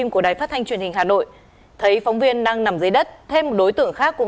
của đài phát thanh truyền hình hà nội thấy phóng viên đang nằm dưới đất thêm một đối tượng khác cũng